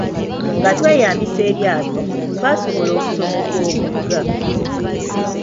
Nga tweyambisa eryato, twasobola okusomoka omugga.